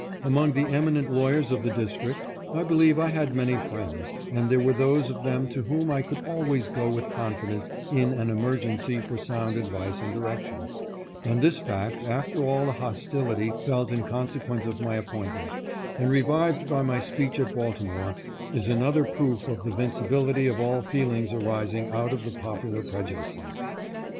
Among the eminent lawyers of the District I believe I had many friends, and there were those of them to whom I could always go with con fidence in an emergency for sound advice and direction, and this fact, after all the hostility felt in consequence of my appointment, and revived by my speech at Baltimore, is another proof of the vincibility of all feelings arising Out of popular prejudices.